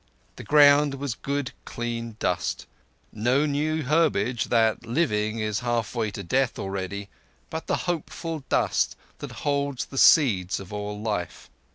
The ground was good clean dust—no new herbage that, living, is half way to death already, but the hopeful dust that holds the seeds of all life.